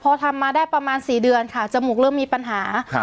พอทำมาได้ประมาณสี่เดือนค่ะจมูกเริ่มมีปัญหาครับ